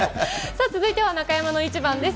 続いては中山のイチバンです。